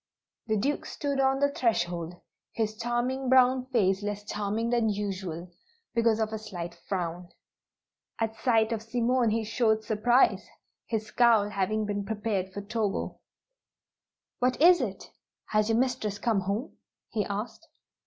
The Duke stood on the threshold, his charming brown face less charming than usual, because of a slight frown. At sight of Simone he showed surprise, his scowl having been prepared for Togo. "What is it? Has your mistress come home?" he asked.